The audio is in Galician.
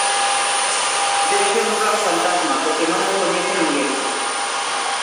Debe ser un plan fantasma porque non o coñece ninguén.